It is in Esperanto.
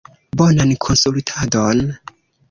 Bonan konsultadon!